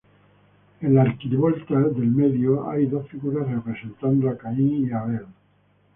En la arquivolta del medio, hay dos figuras representando Caín y Abel.